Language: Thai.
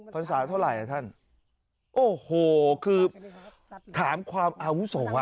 ภาษาเท่าไหร่อ่ะท่านโอ้โหคือถามความอาวุโสอ่ะ